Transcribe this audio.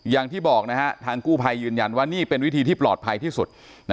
อย่างที่บอกนะฮะทางกู้ภัยยืนยันว่านี่เป็นวิธีที่ปลอดภัยที่สุด